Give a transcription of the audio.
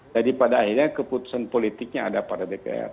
jadi pada akhirnya keputusan politiknya ada pada dpr